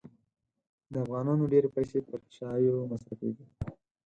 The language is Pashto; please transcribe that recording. د افغانانو ډېري پیسې پر چایو مصرفېږي.